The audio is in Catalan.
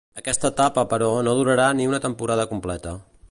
Aquesta etapa però, no durarà ni una temporada completa.